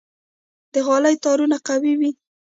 د غالۍ تارونه قوي وي.